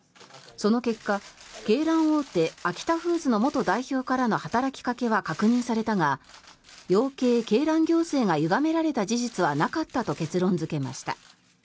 その結果鶏卵大手アキタフーズの元代表からの働きかけは確認されたが養鶏・鶏卵行政がゆがめられた事実はなかったと結論付けました。